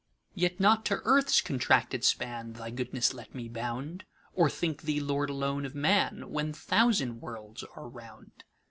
Yet not to earth's contracted spanThy goodness let me bound, Or think thee Lord alone of man, When thousand worlds are round.